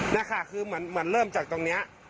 นี่ค่ะคือเหมือนเริ่มจากตรงนี้